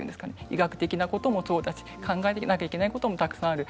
医学的なことも考えなきゃいけないこともたくさんある。